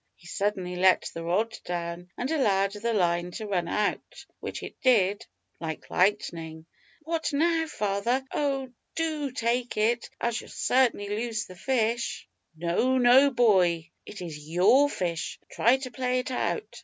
He suddenly let the rod down and allowed the line to run out, which it did like lightning. "What now, father? Oh! do take it I shall certainly lose the fish." "No, no, boy; it is your fish; try to play it out."